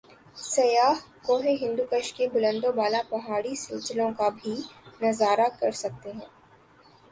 سیاح کو ہندودش کے بلند و بالا پہاڑی سلسوں کا بھی نظارہ کر سکتے ہیں ۔